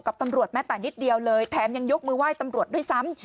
ตำรวจแม้แต่นิดเดียวเลยแถมยังยกมือไหว้ตำรวจด้วยซ้ำ